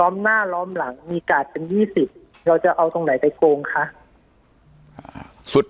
ปากกับภาคภูมิ